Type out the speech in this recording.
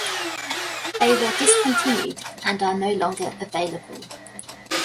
They were discontinued and are no longer available.